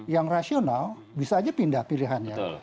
yang rasional bisa aja pindah pilihannya